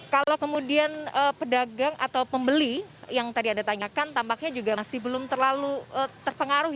kalau kemudian pedagang atau pembeli yang tadi anda tanyakan tampaknya juga masih belum terlalu terpengaruh